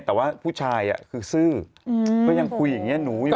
แต่ว่าผู้ชายคือซื่อก็ยังคุยอย่างนี้หนูอยู่